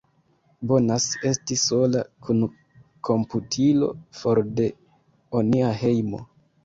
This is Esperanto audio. Bonas esti sola, kun komputilo, for de onia hejmo.